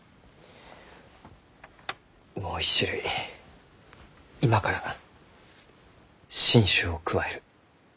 もう一種類今から新種を加える。